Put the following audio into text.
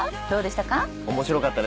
どうでしたか？